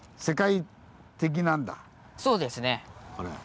そうですね。